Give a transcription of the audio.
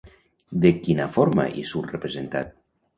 De quina forma hi surt representat?